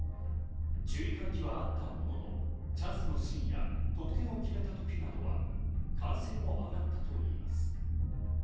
注意喚起はあったものの、チャンスのシーンや得点を決めた時などは歓声も上がったということです。